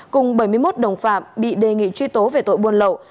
cùng bảy mươi một đồng phạm bị đề nghị truy tố về tội buôn lậu